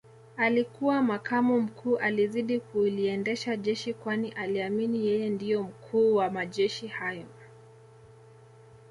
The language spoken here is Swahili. Alikuwa makamu mkuu alizidi kuliendesha jeshi kwani aliamini yeye ndio mkuu wa majeshi hayo